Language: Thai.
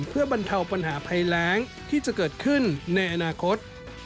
เพื่อบรรเทาปัญหาภัยแรงที่จะเกิดขึ้นในอนาคต